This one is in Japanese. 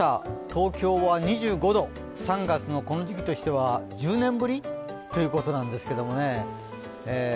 東京は２５度、３月のこの時期としては１０年ぶりということなんですけどもね。